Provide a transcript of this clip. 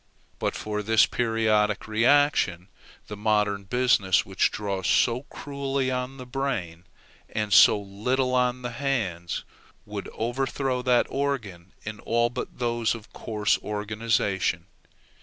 But for this periodic reaction, the modern business which draws so cruelly on the brain, and so little on the hands, would overthrow that organ in all but those of coarse organization.